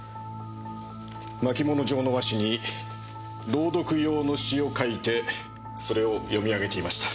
巻物状の和紙に朗読用の詩を書いてそれを詠み上げていました。